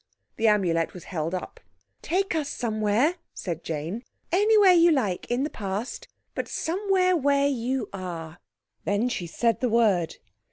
The Amulet was held up. "Take us somewhere," said Jane, "anywhere you like in the Past—but somewhere where you are." Then she said the word.